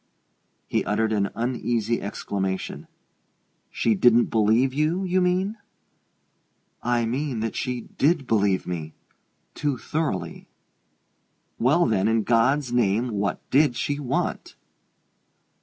He uttered an uneasy exclamation. "She didn't believe you, you mean?" "I mean that she did believe me: too thoroughly." "Well, then in God's name, what did she want?"